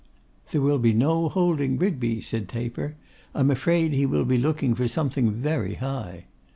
'There will be no holding Rigby,' said Taper; 'I'm afraid he will be looking for something very high.